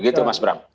begitu mas bram